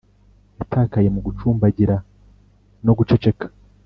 yatakaye mu gucumbagira no guceceka,